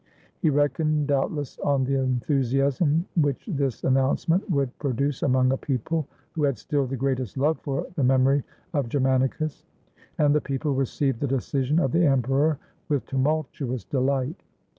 He reckoned doubtless on the enthusiasm which this announcement would pro duce among a people who had still the greatest love for the memory of Germanicus. And the people received the decision of the emperor with tumultuous delight.